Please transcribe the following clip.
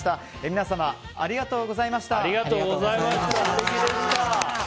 皆様、ありがとうございました。